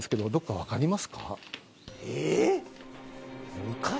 分かります。